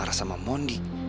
marah sama mondi